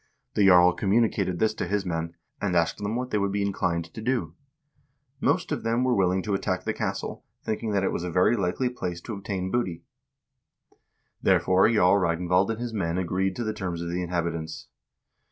The jarl communicated this to his men, and asked them what they would be inclined to do. Most of them were willing to attack the castle, thinking that it was a very likely place 358 HISTORY OF THE NORWEGIAN PEOPLE to obtain booty. Therefore Jarl Ragnvald and his men agreed to the terms of the inhabitants.